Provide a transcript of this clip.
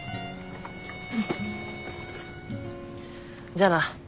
じゃあな。